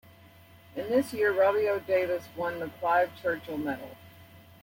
In this year Robbie O'Davis won the Clive Churchill Medal.